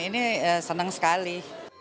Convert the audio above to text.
ini senang sekali